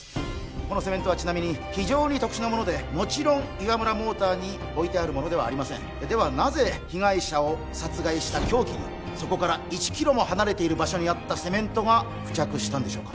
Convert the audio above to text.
このセメントはちなみに非常に特殊なものでもちろん岩村モーターに置いてあるものではありませんではなぜ被害者を殺害した凶器にそこから１キロも離れている場所にあったセメントが付着したんでしょうか？